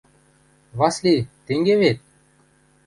Васли, тенге вет?